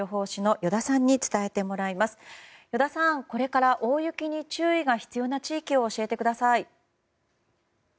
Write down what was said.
依田さん、これから大雪に注意が必要な地域を教えてください。